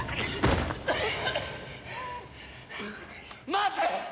待て！